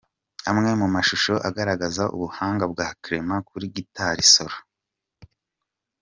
Amwe mu mashusho agaragaza ubuhanga bwa Clement kuri Guitar Solo.